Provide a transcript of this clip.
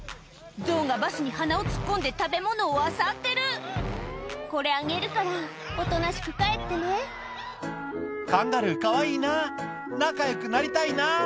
ゾウがバスに鼻を突っ込んで食べ物をあさってるこれあげるからおとなしく帰ってね「カンガルーかわいいな仲良くなりたいな」